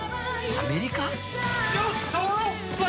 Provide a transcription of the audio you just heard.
アメリカ？